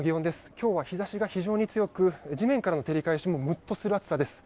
今日は日差しが非常に強く地面からの照り返しもムッとする暑さです。